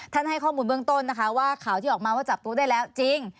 ให้ข้อมูลเบื้องต้นนะคะว่าข่าวที่ออกมาว่าจับตัวได้แล้วจริง